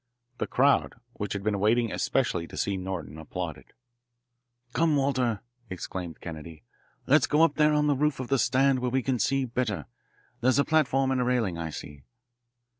The crowd, which had been waiting especially to see Norton, applauded. "Come, Walter," exclaimed Kennedy, "let's go up there on the roof of the stand where we can see better. There's a platform and railing, I see."